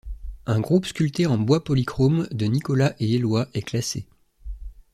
Un groupe sculpté en bois polychrome de Nicolas et Eloi est classé.